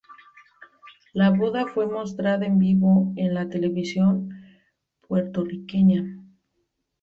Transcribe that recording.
La boda fue mostrada en vivo en la televisión puertorriqueña.